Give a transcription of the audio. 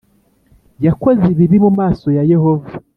Yakoze ibibi mu maso ya yehova